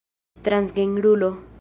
transgenrulo